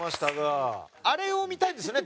あれを見たいんですよね